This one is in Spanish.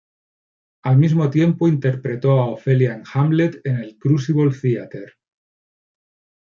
Al mismo tiempo, interpretó a Ofelia en "Hamlet" en el Crucible Theatre.